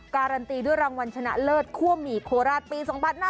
การันตีด้วยรางวัลชนะเลิศคั่วหมี่โคราชปี๒๕๕๙